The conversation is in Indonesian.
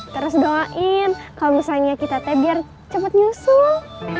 terus doain kalau misalnya kita tap biar cepet nyusul